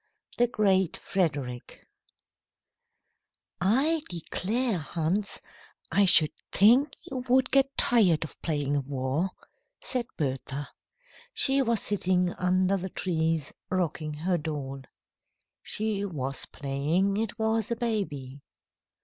THE GREAT FREDERICK "I DECLARE, Hans, I should think you would get tired of playing war," said Bertha. She was sitting under the trees rocking her doll. She was playing it was a baby.